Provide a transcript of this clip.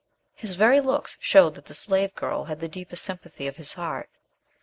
His very looks showed that the slave girl had the deepest sympathy of his heart.